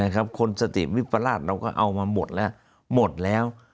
คนสติวิปราชเราก็เอามาหมดแล้วหมดแล้ว